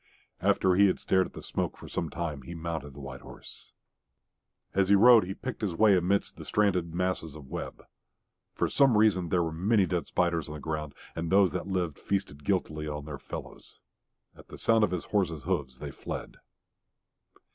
After he had stared at the smoke for some time, he mounted the white horse. As he rode, he picked his way amidst stranded masses of web. For some reason there were many dead spiders on the ground, and those that lived feasted guiltily on their fellows. At the sound of his horse's hoofs they fled.